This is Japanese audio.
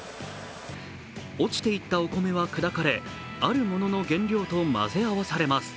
落ちていったお米は砕かれ、あるものの原料と混ぜ合わされます。